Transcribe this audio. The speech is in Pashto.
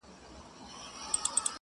پاتا د ترانو ده غلبلې دي چي راځي!.